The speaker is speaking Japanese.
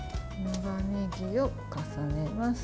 長ねぎを重ねます。